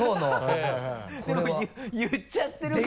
言っちゃってるから。